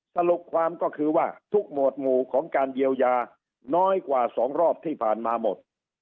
สรุปความก็คือว่าทุกหมวดหมู่ของการเยียวยาน้อยกว่า๒รอบที่ผ่านมาหมด